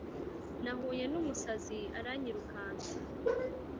Nahuye numusazi aranyirukansa